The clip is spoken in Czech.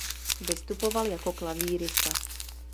Vystupoval jako klavírista.